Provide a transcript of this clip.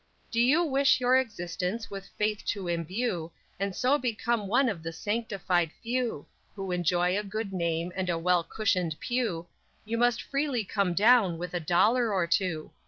_ _Do you wish your existence with Faith to imbue, And so become one of the sanctified few; Who enjoy a good name and a well cushioned pew You must freely come down with a dollar or two.